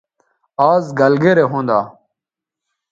آز گَلگرے ھوندا